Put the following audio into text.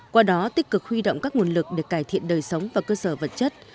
qua đó tích cực huy động các nguồn lực để cải thiện đời sống và cơ sở vật chất